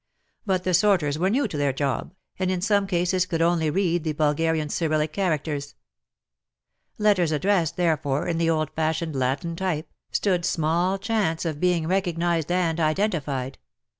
But the sorters were new to their job, and in some cases could only read the Bulgarian Cyrillic characters. Letters addressed, therefore, in the old fashioned Latin type, stood small chance of being recognised and identified.